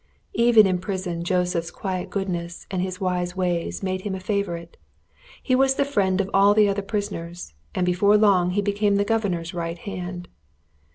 Even in prison Joseph's quiet goodness and his wise ways made him a favourite. He was the friend of all the other prisoners, and before long he became the governor's right hand.